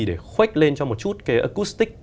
để khoách lên cho một chút cái acoustic